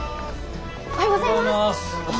おはようございます。